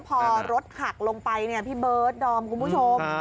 พอรถหักลงไปเนี่ยพี่เบิร์ดดอมคุณผู้ชม